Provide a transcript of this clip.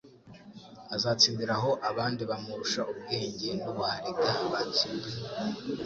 azatsindira aho abandi bamurusha ubwenge n'ubuhariga batsindiwe.